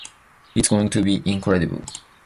It's going to be incredible.